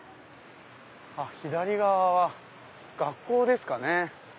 左側は学校ですかね。